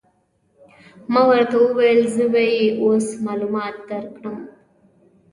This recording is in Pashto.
ما ورته وویل: زه به يې اوس معلومات در وکړم.